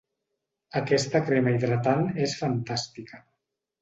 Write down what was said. Aquesta crema hidratant és fantàstica.